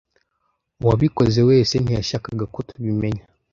Uwabikoze wese ntiyashakaga ko tubimenya.